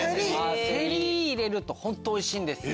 セリ入れると本当おいしいんですよ。